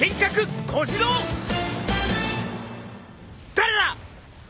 誰だ！？